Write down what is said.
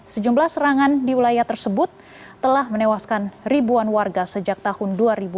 sejumlah serangan di wilayah tersebut telah menewaskan ribuan warga sejak tahun dua ribu dua